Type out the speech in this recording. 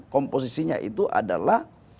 komposisinya itu adalah